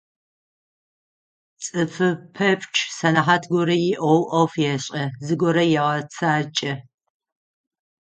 Цӏыфы пэпчъ сэнэхьат горэ иӏэу ӏоф ешӏэ, зыгорэ егъэцакӏэ.